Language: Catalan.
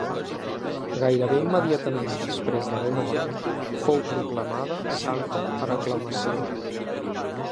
Gairebé immediatament després d'haver mort, fou proclamada santa per aclamació.